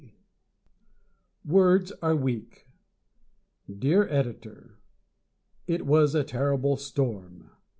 Words Are Weak Dear Editor: It was a terrible storm!